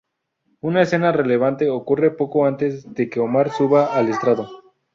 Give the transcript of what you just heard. Una escena relevante ocurre poco antes de que Omar suba al estrado.